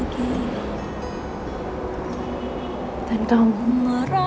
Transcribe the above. kamu sendiri bukan eros